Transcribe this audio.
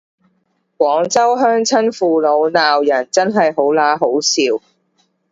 廣州鄉親父老鬧人真係好嗱好笑